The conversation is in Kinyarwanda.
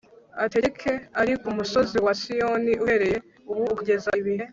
ategeke ari ku musozi wa Siyoni uhereye ubu ukageza ibihe